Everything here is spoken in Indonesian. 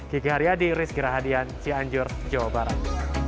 kiki haryadi rizky rahadian cianjur jawa barat